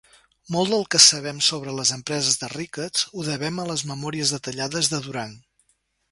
Molt del que sabem sobre les empreses de Ricketts ho devem a les memòries detallades de Durang.